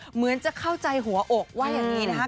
เหมือนจะเข้าใจหัวอกว่าอย่างนี้นะครับ